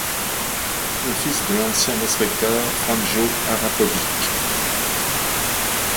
Il est le fils de l'ancien basketteur Franjo Arapović.